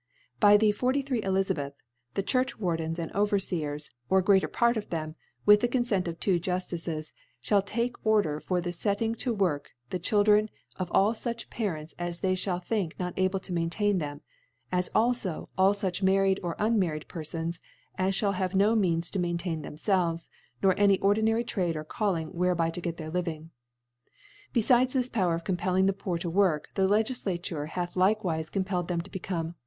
. By the 43d Eliz^ the Churchwardens and Overfeers, or greater Part of them, with the Confent of two Jufticcs, (hall take Or der for the fetting to Work the Children of all fuch Parents as they fhall think not able to maintain them ; as alio, all fuch married, or unmarried Perfons, as Ihall have no Means to maintain themfelves, nor any or dinary Trade or Calling whereby to get their Living. . Befides this Power of compelling the Poor to work, the Legiflatiire hath likewife compelled them to become, i.